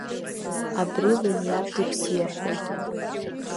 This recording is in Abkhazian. Абри лыниар дыбзиахоит?